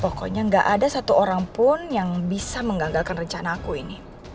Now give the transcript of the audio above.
pokoknya gak ada satu orang pun yang bisa menggagalkan rencana aku ini